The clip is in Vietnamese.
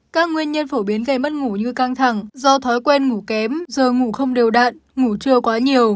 các nguyên nhân phổ biến gây mất ngủ như căng thẳng do thói quen ngủ kém giờ ngủ không đều đạn ngủ trưa quá nhiều